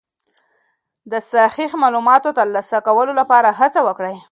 د صحیح معلوماتو ترلاسه کولو لپاره هڅه وکړئ.